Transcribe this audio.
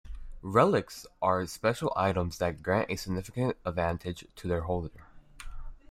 Relics are special items that grant a significant advantage to their holder.